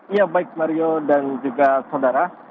ya baik mario dan juga saudara